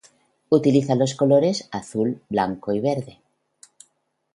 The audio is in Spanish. Utiliza los colores azul, blanco y verde.